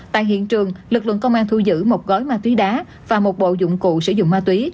tại hiện trường lực lượng công an thu giữ một gói ma túy đá và một bộ dụng cụ sử dụng ma túy